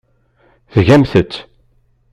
Tgamt-tt!